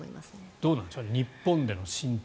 どうなんでしょう日本での浸透。